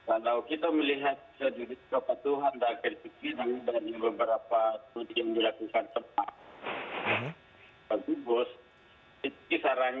kalau kita melihat kejurus kepatuhan